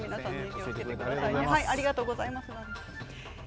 情報ありがとうございました。